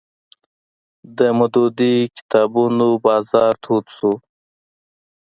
د مودودي کتابونو بازار تود شو